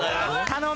頼む！